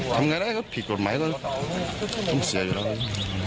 ทำยังไงแล้วเขาผิดกฎหมายก็ต้องเสียอยู่แล้วเนี่ย